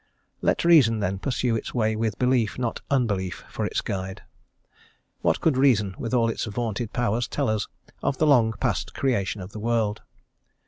Let reason, then, pursue its way with belief not unbelief, for its guide. What could reason, with all its vaunted powers, tell us of the long past creation of the world?